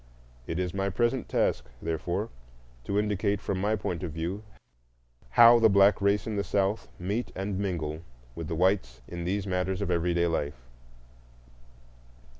It is my present task, therefore, to indicate, from my point of view, how the black race in the South meet and mingle with the whites in these matters of everyday life.